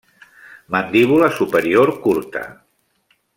Mandíbula superior curta.